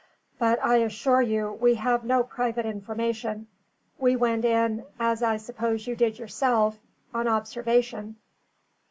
"But I assure you we have no private information. We went in (as I suppose you did yourself) on observation."